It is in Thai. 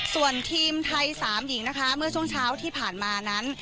ส่วนทีมไทย๓หญิงนะคะเมื่อช่วงเช้าที่ผ่านมานั้น